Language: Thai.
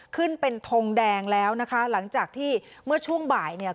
ขึ้นเป็นทงแดงแล้วนะคะหลังจากที่เมื่อช่วงบ่ายเนี่ย